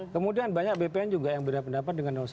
kemudian banyak bpn juga yang berbeda pendapat dengan satu